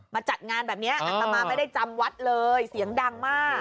จัดงานแบบนี้อัตมาไม่ได้จำวัดเลยเสียงดังมาก